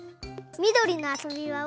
みどりのあそびばを。